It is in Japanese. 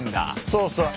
そうそう。